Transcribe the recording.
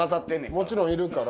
もちろんいるから。